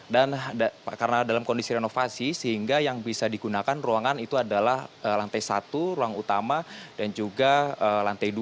dan karena dalam kondisi renovasi sehingga yang bisa digunakan ruangan itu adalah lantai satu ruang utama dan juga lantai dua